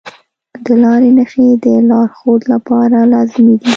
د لارې نښې د لارښود لپاره لازمي دي.